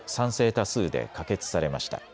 多数で可決されました。